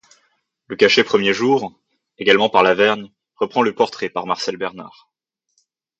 Le cachet premier jour, également par Lavergne, reprend le portrait par Marcel Bernard.